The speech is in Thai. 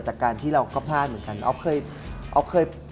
จะออกให้